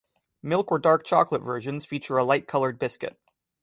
Milk or dark chocolate versions feature a light colored biscuit.